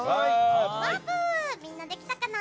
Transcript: みんなできたかな？